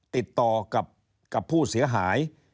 ติดต่อกับผู้เสียหาย